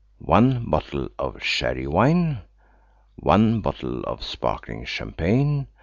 1 bottle of sherry wine. 1 bottle of sparkling champagne.